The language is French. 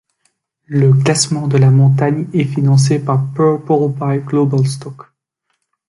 Le classement de la montagne est financé par Purple by Globalstock.